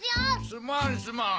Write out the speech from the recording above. すまんすまん！